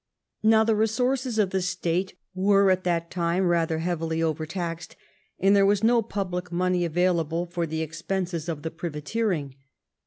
Now, the resources of the state were at that time rather heavily overtaxed, and there was no pub lic money available for the expenses of the privateer ing.